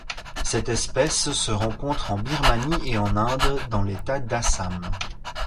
Cette espèce se rencontre en Birmanie et en Inde dans l'État d'Assam.